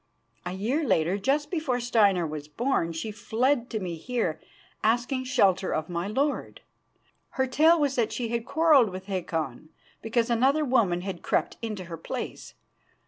A year later, just before Steinar was born, she fled to me here, asking shelter of my lord. Her tale was that she had quarrelled with Hakon because another woman had crept into her place.